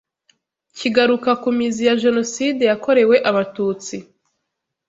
kigaruka ku mizi ya Jenoside yakorewe Abatutsi